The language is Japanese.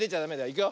いくよ。